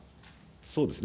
そうですね。